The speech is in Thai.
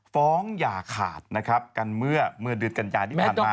อย่าขาดนะครับกันเมื่อเดือนกันยาที่ผ่านมา